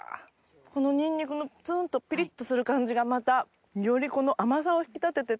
このニンニクのツンとピリっとする感じがまたよりこの甘さを引き立ててて。